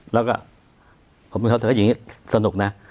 แล้วก็ผมมีความสงสัยอย่างนี้สนุกนะ